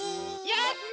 やった！